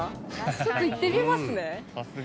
ちょっと行ってみますね。